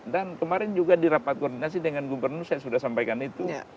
dan kemarin juga di rapat koordinasi dengan gubernur saya sudah sampaikan itu